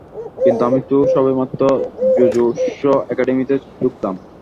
কিন্তু আমি তো সবে মাত্র জুজুৎসু একাডেমীতে ঢুকলাম।